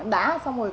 đã xong rồi